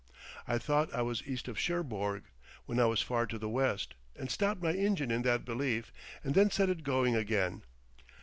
I thought I was east of Cherbourg, when I was far to the west and stopped my engine in that belief, and then set it going again.